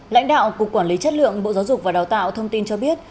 lãnh đạo cục quản lý chất lượng bộ giáo dục và đào tạo thông tin cho biết